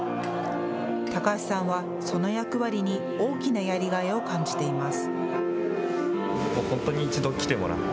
高橋さんはその役割に大きなやりがいを感じています。